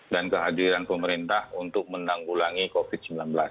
dan kehadiran pemerintah untuk menanggulangi covid sembilan belas